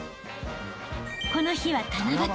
［この日は］